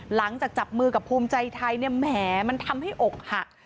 หลังจากจับมือกับภูมิใจไทยเนี่ยแหมมันทำให้อกหัก